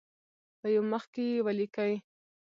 په یو مخ کې یې ولیکئ.